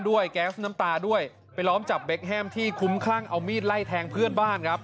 แก๊สน้ำตาด้วยไปล้อมจับเบคแฮมที่คุ้มคลั่งเอามีดไล่แทงเพื่อนบ้านครับ